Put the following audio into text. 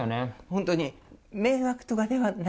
ホントに迷惑とかではないんです。